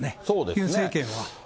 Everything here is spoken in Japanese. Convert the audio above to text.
ユン政権は。